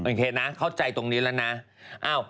โอเคนะเข้าใจตรงนี้แล้วนะ